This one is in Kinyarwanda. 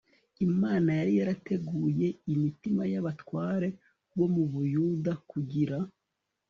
imana yari yarateguye imitma y'abatware bo mu buyuda kugira